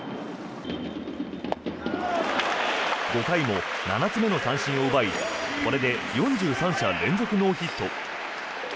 ５回も７つ目の三振を奪いこれで４３者連続ノーヒット。